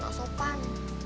gak usah opan